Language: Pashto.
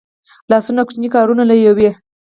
لاسونه کوچني کارونه لویوي